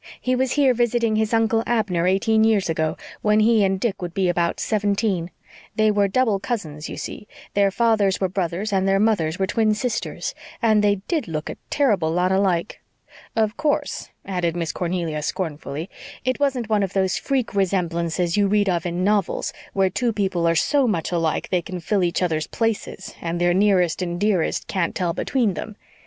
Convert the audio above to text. He was here visiting his Uncle Abner eighteen years ago, when he and Dick would be about seventeen. They were double cousins, you see. Their fathers were brothers and their mothers were twin sisters, and they did look a terrible lot alike. Of course," added Miss Cornelia scornfully, "it wasn't one of those freak resemblances you read of in novels where two people are so much alike that they can fill each other's places and their nearest and dearest can't tell between them.